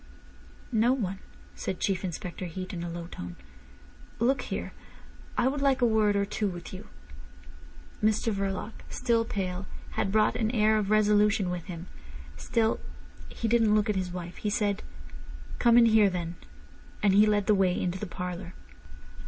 "No one," said Chief Inspector Heat in a low tone. "Look here, I would like a word or two with you." Mr Verloc, still pale, had brought an air of resolution with him. Still he didn't look at his wife. He said: "Come in here, then." And he led the way into the parlour.